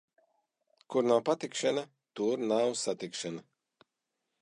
Kur nav patikšana, tur nav satikšana.